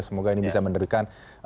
semoga ini bisa menerdekkan